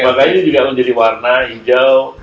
makanya ini juga akan menjadi warna hijau